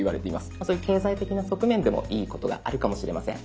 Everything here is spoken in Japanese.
まあそういう経済的な側面でもいいことがあるかもしれません。